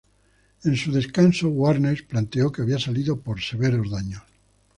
En su descargo Warnes planteó que había salido por severos daños.